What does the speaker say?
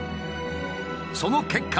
その結果。